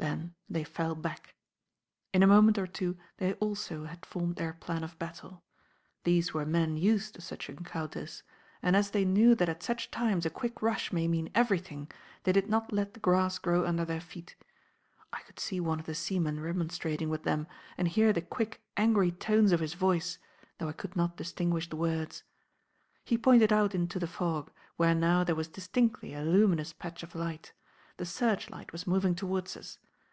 Then they fell back. In a moment or two they also had formed their plan of battle. These were men used to such encounters; and as they knew that at such times a quick rush may mean everything, they did not let the grass grow under their feet. I could see one of the seamen remonstrating with them, and hear the quick, angry tones of his voice, though I could not distinguish the words. He pointed out into the fog, where now there was distinctly a luminous patch of light: the searchlight was moving towards us.